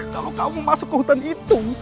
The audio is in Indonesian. kalau kamu masuk ke hutan itu